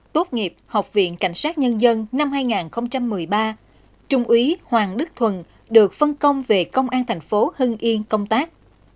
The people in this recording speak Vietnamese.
tốt nghiệp học viện cảnh sát nhân dân năm hai nghìn một mươi ba trung úy hoàng đức thuần được phân công về công an thành phố hưng yên công tác